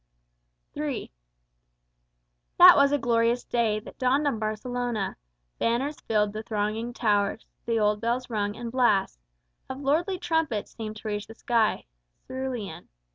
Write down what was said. III That was a glorious day That dawned on Barcelona. Banners filled The thronging towers, the old bells rung, and blasts Of lordly trumpets seemed to reach the sky Cerulean.